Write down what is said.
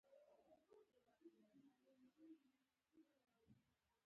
د لیمو شیره د فشار لپاره وکاروئ